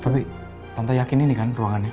tapi tante yakin ini kan ruangannya